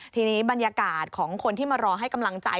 ทีนี้บรรยากาศของคนที่มารอให้กำลังใจ